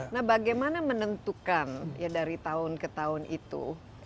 nah bagaimana menentukan ya dari tahun ke tahun itu